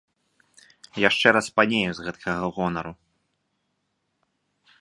Яшчэ распанею з гэткага гонару.